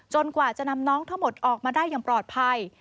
กว่าจะนำน้องทั้งหมดออกมาได้อย่างปลอดภัย